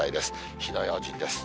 火の用心です。